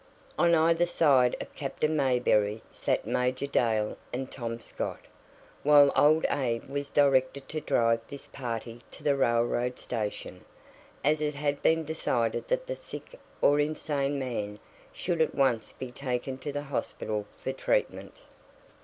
On either side of Captain Mayberry sat Major Dale and Tom Scott, while old Abe was directed to drive this party to the railroad station, as it had been decided that the sick or insane man should at once be taken to the hospital for treatment.